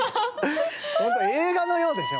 本当映画のようでしょ？